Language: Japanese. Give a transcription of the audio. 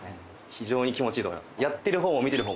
非常に気持ちいいと思います